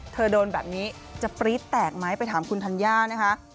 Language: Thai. โดนแบบนี้จะปรี๊ดแตกไหมไปถามคุณธัญญานะคะ